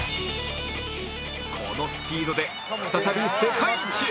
このスピードで再び世界一へ